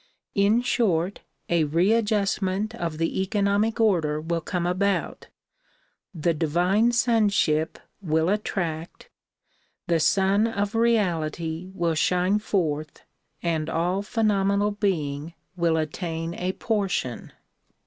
In short, a readjustment of the economic order will come about, the divine sonship will attract, the Sun of Reality will shine forth and all phenomenal being will attain a portion.